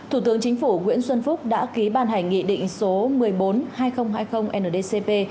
thủ tướng chính phủ nguyễn xuân phúc đã ký ban hành nghị định số một mươi bốn hai nghìn hai mươi ndcp